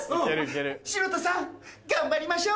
白田さん頑張りましょ！